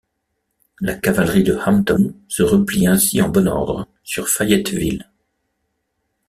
La cavalerie de Hampton se replie ainsi en bon ordre sur Fayetteville.